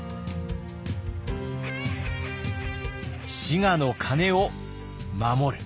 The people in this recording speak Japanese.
滋賀の鐘を守る。